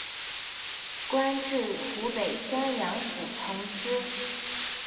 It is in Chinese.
官至湖北襄阳府同知。